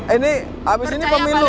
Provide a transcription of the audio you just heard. ini habis ini pemilu